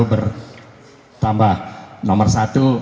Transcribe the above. bertambah nomor satu